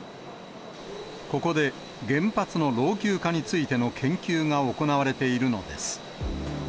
ここで原発の老朽化についての研究が行われているのです。